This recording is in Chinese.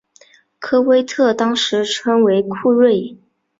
科威特当时称为库锐。